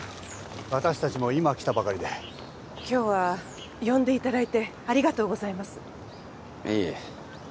私達も今来たばかりで今日は呼んでいただいてありがとうございますいえ